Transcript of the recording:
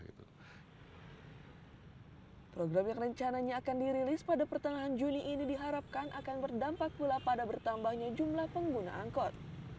program yang rencananya akan dirilis pada pertengahan juni ini diharapkan akan berdampak pula pada bertambahnya jumlah pengguna angkot